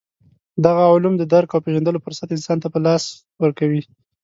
دغه علوم د درک او پېژندلو فرصت انسان ته په لاس ورکوي.